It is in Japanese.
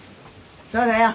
そうだよ。